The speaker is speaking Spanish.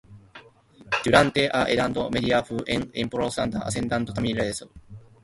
Durante la edad Media fue un importante asentamiento.